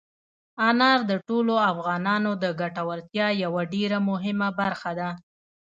انار د ټولو افغانانو د ګټورتیا یوه ډېره مهمه برخه ده.